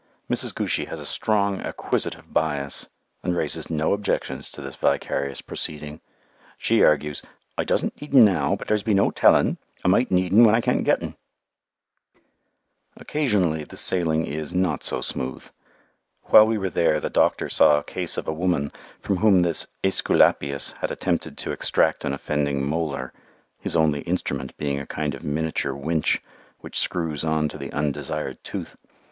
Mrs. Goochy has a strong acquisitive bias, and raises no objections to this vicarious proceeding. She argues: "I doesn't need 'un now, but there be's no tellin'. I may need 'un when I can't get 'un." [Illustration: THE SEVENTH SON] Occasionally the sailing is not so smooth. While we were there the doctor saw a case of a woman from whom this Æsculapius had attempted to extract an offending molar, his only instrument being a kind of miniature winch which screws on to the undesired tooth.